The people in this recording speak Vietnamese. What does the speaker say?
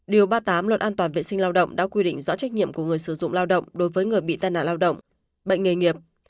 điều ba mươi tám luật an toàn vệ sinh lao động đã quy định rõ trách nhiệm của người sử dụng lao động đối với người bị tai nạn lao động bệnh nghề nghiệp